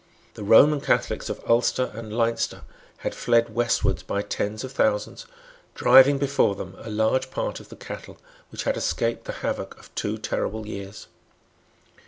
The Roman Catholics of Ulster and Leinster had fled westward by tens of thousands, driving before them a large part of the cattle which had escaped the havoc of two terrible years.